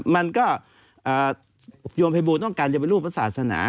มันก็โยมภัยบูลต้องการจะเป็นรูปพระศาสนา